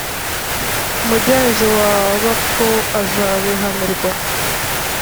mugenzi w’abapfu azabihanirwa